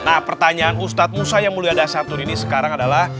nah pertanyaan ustadz musa yang mulia dahsatur ini sekarang adalah